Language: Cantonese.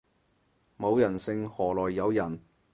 冇人性何來有人